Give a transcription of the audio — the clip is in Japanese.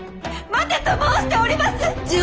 待てと申しております！